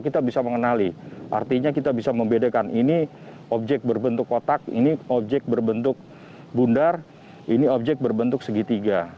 kita bisa mengenali artinya kita bisa membedakan ini objek berbentuk kotak ini objek berbentuk bundar ini objek berbentuk segitiga